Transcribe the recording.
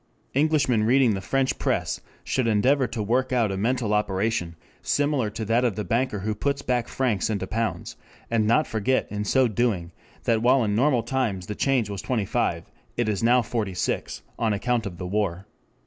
Englishmen reading the French press should endeavour to work out a mental operation similar to that of the banker who puts back francs into pounds, and not forget in so doing that while in normal times the change was 25 it is now 46 on account of the war.